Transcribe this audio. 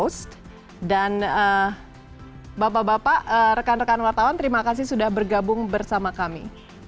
news dan bapak bapak rekan rekan wartawan terima kasih sudah bergabung bersama kami